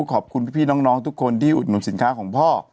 ขอบคุณพี่น้องทุกคนที่อุดหนุนสินค้าของพ่อ